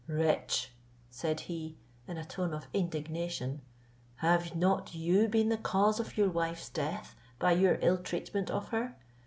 "Wretch!" said he, in a tone of indignation, "have not you been the cause of your wife's death by your ill treatment of her?